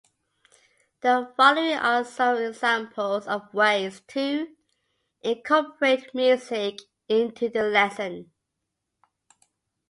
The following are some examples of ways to incorporate music into the lesson.